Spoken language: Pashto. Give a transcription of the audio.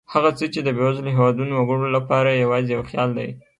هغه څه چې د بېوزلو هېوادونو وګړو لپاره یوازې یو خیال دی.